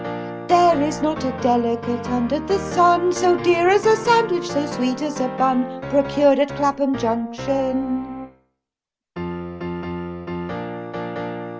5. There is not a delicate * under the sun So dear as a sandwich, so sweet as a bun, Procured at Clappum Junction.